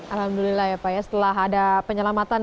alhamdulillah ya pak ya setelah ada penyelamatan